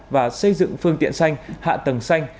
và xây dựng phương tiện xanh hạ tầng xanh